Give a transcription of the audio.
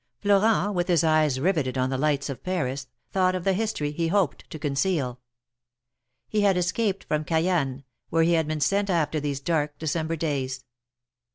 Florent, with his eyes riveted on the lights of Paris, thought of the history he hoped to conceal. He had escaped from Cayenne, where he had been sent after these dark December days.